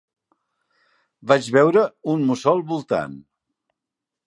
Vaig veure un mussol voltant.